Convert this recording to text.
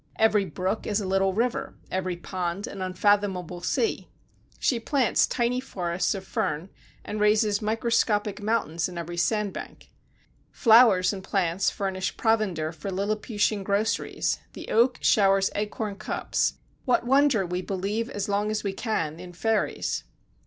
Every brook is a little river, every pond an unfathomable sea. She plants tiny forests of fern and raises microscopic mountains in every sand bank. Flowers and plants furnish provender for Lilliputian groceries, the oak showers acorn cups; what wonder we believe, as long as we can, in fairies?